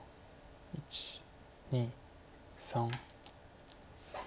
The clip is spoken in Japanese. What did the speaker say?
１２３。